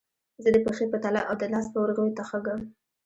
زه د پښې په تله او د لاس په ورغوي تخږم